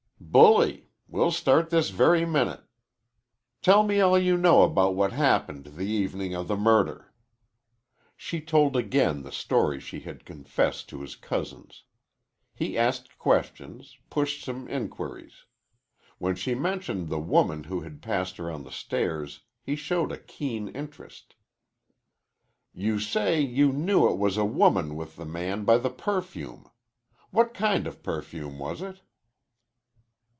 "Bully! We'll start this very minute. Tell me all you know about what happened the evenin' of the murder." She told again the story she had confessed to his cousins. He asked questions, pushed home inquiries. When she mentioned the woman who had passed her on the stairs he showed a keen interest. "You say you knew it was a woman with the man by the perfume. What kind of perfume was it?"